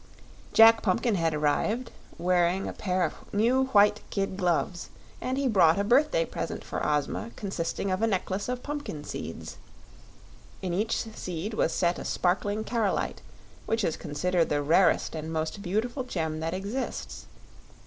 Jack Pumpkinhead arrived, wearing a pair of new, white kid gloves; and he brought a birthday present for Ozma consisting of a necklace of pumpkin seeds. In each seed was set a sparkling carolite, which is considered the rarest and most beautiful gem that exists.